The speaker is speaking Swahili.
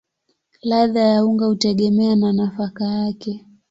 Ladha ya unga hutegemea na nafaka yake.